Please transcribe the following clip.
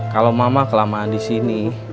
kalau mama kelamaan di sini